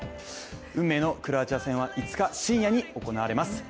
運命のクロアチア戦は５日深夜に行われます。